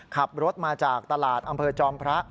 ขับรถมาจากตลาดอำเภอจอมพระ